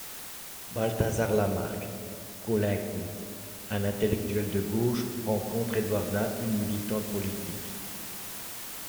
Balthazar Lamarck-Caulaincourt, un intellectuel de gauche, rencontre Edwarda, une militante politique.